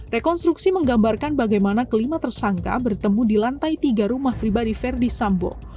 rekonstruksi menggambarkan bagaimana kelima tersangka bertemu di lantai tiga rumah pribadi verdi sambo